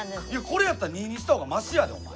これやったら２にした方がましやでお前。